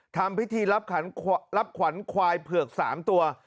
ทำพิธีรับขวัญควายเผือก๓ตัว